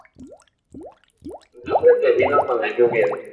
El hombre que vino con la lluvia.